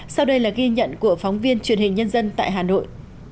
sau đây là ghi nhận của phóng viên truyền hình nhân dân tại hà nội